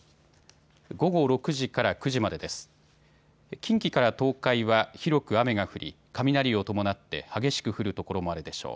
近畿から東海は広く雨が降り、雷を伴って激しく降る所もあるでしょう。